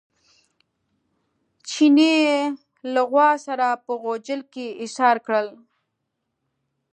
چیني یې له غوا سره په غوجل کې ایسار کړل.